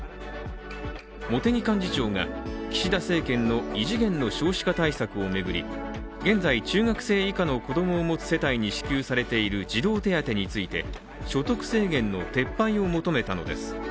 茂木幹事長が、岸田政権の異次元の少子化対策を巡り、現在、中学生以下の子供を持つ世帯に支給されている児童手当について、所得制限の撤廃を求めたのです。